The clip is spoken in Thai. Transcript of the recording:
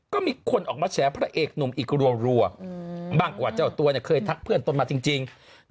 ก็มีคนออกมาแฉพระเอกหนุ่มอีกรัวมากกว่าเจ้าตัวเคยทักเพื่อนตนมาจริง